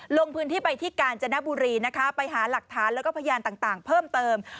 ลงพื้นที่ไปที่กาญจนบุรีนะคะไปหาหลักฐานแล้วก็พยานต่างเพิ่มเติม